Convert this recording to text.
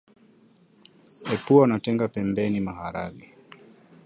Epua na tenga pembeni maharage